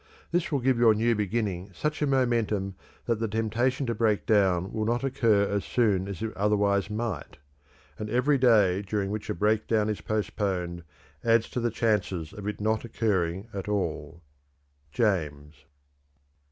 This will give your new beginning such a momentum that the temptation to break down will not occur as soon as it otherwise might; and every day during which a breakdown is postponed adds to the chances of it not occurring at all." _James.